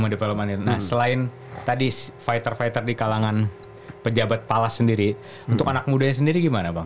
development nah selain tadi fighter fighter di kalangan pejabat palas sendiri untuk anak mudanya sendiri gimana bang